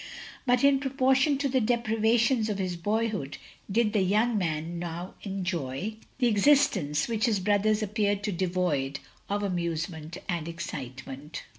But in proportion to the deprivations of his boyhood, did the yotmg man now enjoy the 234 THE LONELY LADY existence which to his brothers appeared so devoid of amusement and excitement.